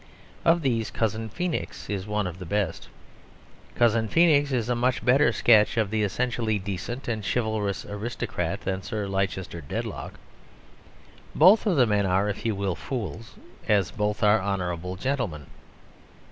Of these Cousin Feenix is one of the best. Cousin Feenix is a much better sketch of the essentially decent and chivalrous aristocrat than Sir Leicester Dedlock. Both of the men are, if you will, fools, as both are honourable gentlemen.